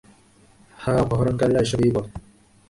হ্যাঁ, অপহরণকারীরা এসবই বলে।